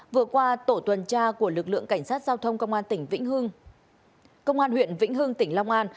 vừa qua tổ tuần tra của lực lượng cảnh sát giao thông công an tỉnh vĩnh hưng công an huyện vĩnh hưng tỉnh long an